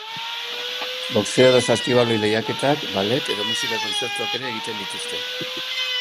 Boxeo edo saskibaloi lehiaketak, ballet edo musika-kontzertuak ere egiten dituzte.